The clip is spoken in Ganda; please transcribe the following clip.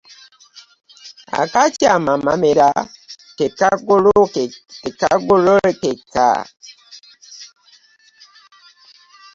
Akaakyama amamera tekagololekeka.